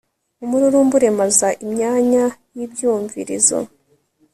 umururumba uremaza imyanya y'ibyumvirizo